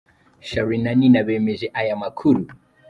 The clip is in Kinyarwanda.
Charly na Nina bemeje aya makuru.